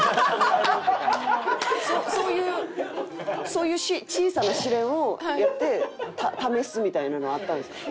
そういう小さな試練をやって試すみたいなのあったんですか？